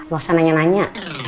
gak usah nanya nanya